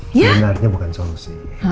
benarnya bukan solusi